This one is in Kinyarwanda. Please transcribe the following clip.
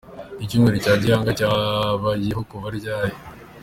Icyumweru cya Gihanga cyabayeho kuva ryari?